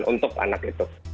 untuk anak itu